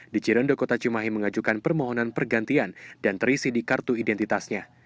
di cirendo kota cimahi mengajukan permohonan pergantian dan terisi di kartu identitasnya